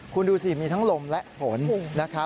คุณดูสิมีทั้งลมและฝน